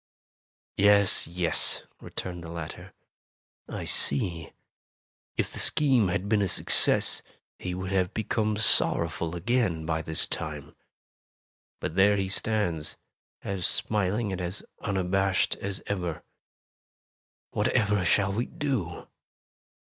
"Yes, yes," returned the latter, "I see. If the scheme had been a success, he would have become sorrowful again, by this time. But there he stands, as smiling and as un abashed as ever. Whatever shall we do?"